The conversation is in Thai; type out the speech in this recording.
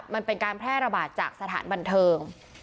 มันเป็นการแพร่ระบาดจากสถานบันเทิง